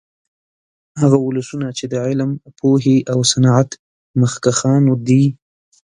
هغه ولسونه چې د علم، پوهې او صنعت مخکښان دي